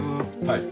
はい。